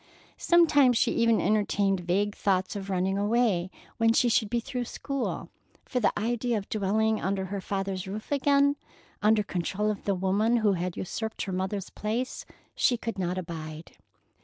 Sometimes she even entertained vague thoughts of running away when she should be through school, for the idea of dwelling under her father's roof again, under control of the woman who had usurped her mother's place, she could not abide.